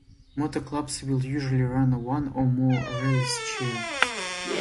Motor Clubs will usually run one or more rallies each year.